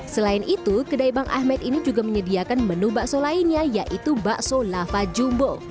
selain itu kedai bang ahmed ini juga menyediakan menu bakso lainnya yaitu bakso lava jumbo